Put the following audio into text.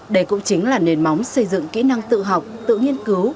đây cũng chính là nền móng xây dựng kỹ năng tự học tự nghiên cứu